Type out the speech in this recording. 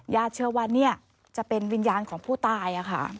เชื่อว่านี่จะเป็นวิญญาณของผู้ตาย